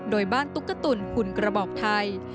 โดยบ้านตุ๊กตุ๋นหุ่นกระบอกไทย